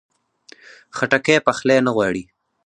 خټکی پخلی نه غواړي.